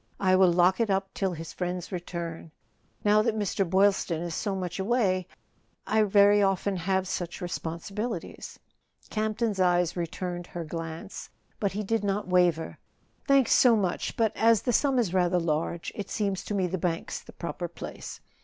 I will lock it up till his friend's return. Now that Mr. Boylston is so much away I very often have such re¬ sponsibilities." [ 346 ] A SON AT THE FRONT Camp ton's eyes returned her glance; but he did not waver. "Thanks so much; but as the sum is rather large it seems to me the bank's the proper place.